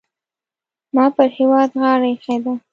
ما پر هېواد غاړه اېښې ده.